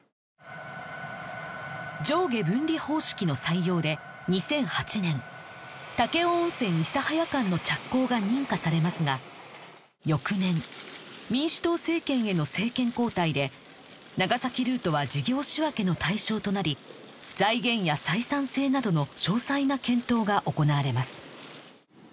上下分離方式の採用で２００８年武雄温泉諫早間の着工が認可されますが翌年民主党政権への政権交代で長崎ルートは事業仕分けの対象となり財源や採算性などの詳細な検討が行われます